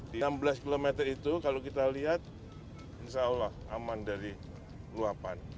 di enam belas km itu kalau kita lihat insya allah aman dari luapan